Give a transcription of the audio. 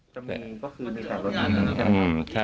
จะมีก็คือมีแต่รถนี้นะครับ